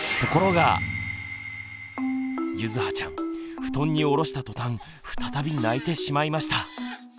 ゆずはちゃん布団に下ろしたとたん再び泣いてしまいました。